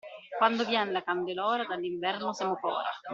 Quando vien la candelora dall'inverno semo fora.